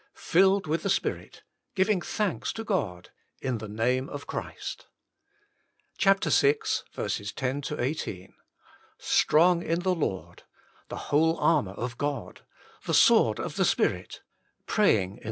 Filled with the Spirit, giving thanks to God, in the name of Christ. vi. 10 18. Strong in the Lord, the whole armour of God, the sword of the Spirit, praying in.